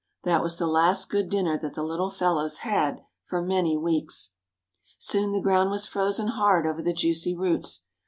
That was the last good dinner that the little fellows had for many weeks. Soon the ground was frozen hard over the juicy roots.